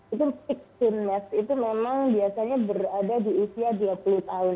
itu fixing mass itu memang biasanya berada di usia dua puluh tahun